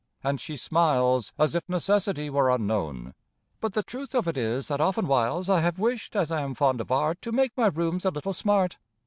And she smiles As if necessity were unknown; "But the truth of it is that oftenwhiles I have wished, as I am fond of art, To make my rooms a little smart."